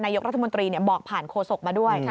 ยกรัฐมนตรีบอกผ่านโฆษกมาด้วย